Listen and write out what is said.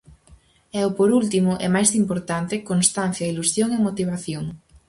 E o por último, e máis importante: constancia, ilusión e motivación.